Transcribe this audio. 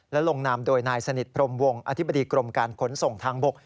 และลงนามโดยนายสนิทพรมวงอธิบดีกรมการขนส่งทางบก